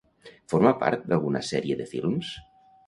Forma part d'alguna sèrie de films?